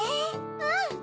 うん！